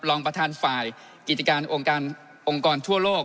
รองประธานฝ่ายกิจการองค์การองค์กรทั่วโลก